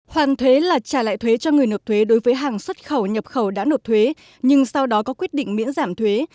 hoàn thuế là trả lại thuế cho người nộp thuế đối với hàng xuất khẩu nhập khẩu đã nộp thuế nhưng sau đó có quyết định miễn giảm thuế